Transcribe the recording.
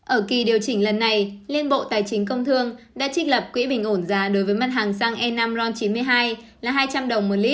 ở kỳ điều chỉnh lần này liên bộ tài chính công thương đã trích lập quỹ bình ổn giá đối với mặt hàng xăng e năm ron chín mươi hai là hai trăm linh đồng một lít